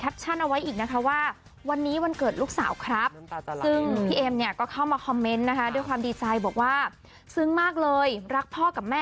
บอกแต่ซึ้งกะซึ้งอ่ะอันนี้ซึ้งทั้งคลิป